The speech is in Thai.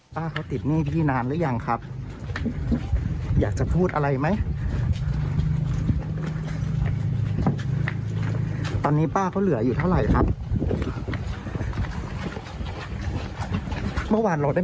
ทำไมสำนักผิดหรือยังที่ทำไป